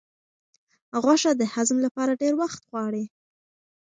غوښه د هضم لپاره ډېر وخت غواړي.